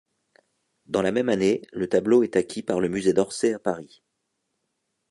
Dans la même année, le tableau est acquis par le Musée d'Orsay à Paris.